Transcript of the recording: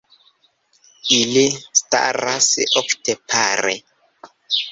Ili staras ofte pare.